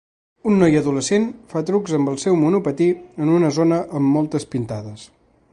Un noi adolescent fa trucs amb el seu monopatí en una zona amb moltes pintades.